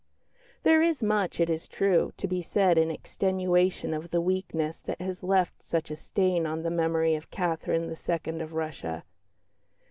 There is much, it is true, to be said in extenuation of the weakness that has left such a stain on the memory of Catherine II. of Russia.